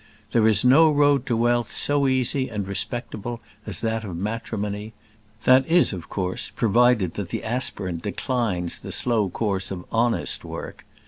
There is no road to wealth so easy and respectable as that of matrimony; that, is of course, provided that the aspirant declines the slow course of honest work.